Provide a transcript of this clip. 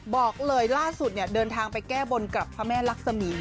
บอกเลยล่าสุดเนี่ยเดินทางไปแก้บนกับพระแม่ลักษมี